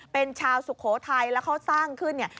เป็นชาวสุโขทัยแล้วเขาสร้างขึ้นเนี่ย